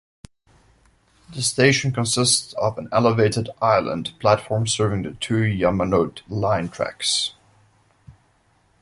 The station consists of an elevated island platform serving the two Yamanote Line tracks.